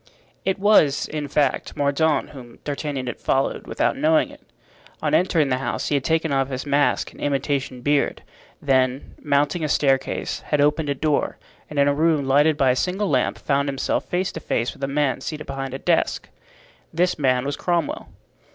It was, in fact, Mordaunt whom D'Artagnan had followed, without knowing it. On entering the house he had taken off his mask and imitation beard, then, mounting a staircase, had opened a door, and in a room lighted by a single lamp found himself face to face with a man seated behind a desk. This man was Cromwell.